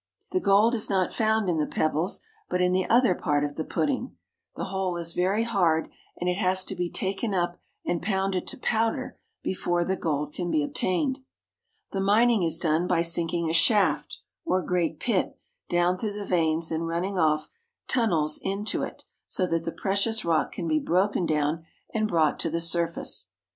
The gold is not found in the pebbles, but in the other part of the pudding. The whole is very hard and it has to be taken up and pounded to powder before the gold can be obtained. The mining is done by sinking a shaft, or great pit, down through the veins and running off tunnels into it so that the precious rock can be broken down and brought to the surface.